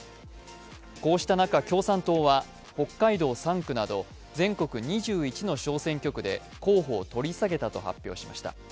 こうした中、共産党は、北海道３区など全国２１の小選挙区で候補を取り下げたと発表しました。